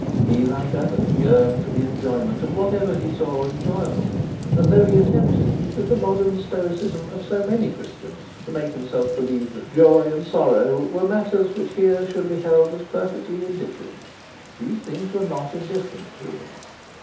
He, like others, yearned for the enjoyment of whatever he saw enjoyable; and though he attempted, with the modern stoicism of so many Christians, to make himself believe that joy and sorrow were matters which here should be held as perfectly indifferent, those things were not indifferent to him.